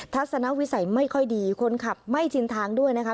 ทัศนวิสัยไม่ค่อยดีคนขับไม่ชินทางด้วยนะคะ